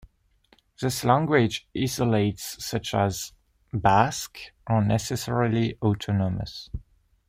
Thus language isolates such as Basque are necessarily autonomous.